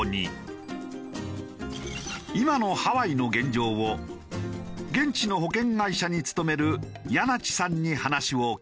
今のハワイの現状を現地の保険会社に勤める梁池さんに話を聞いた。